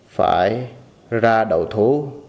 phải ra đậu thố